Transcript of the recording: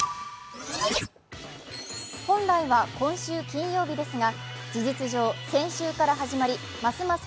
本来は今週金曜日ですが、事実上、先週から始まりますます